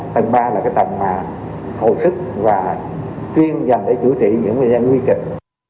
tầng ba là cái tầng mà hồi sức và chuyên dành để chủ trị những bệnh nhân nguy kịch